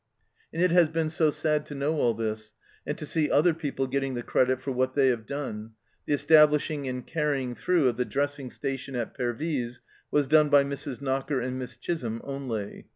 And it has been so sad to know all this, and to see other people getting the credit for what they have done the establishing and carrying through of the dressing station at Pervyse was done by Mrs. Knocker and Miss Chisholm only.